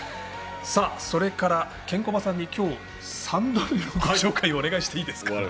それからケンコバさんに今日、３度目のご紹介をお願いしていいですか？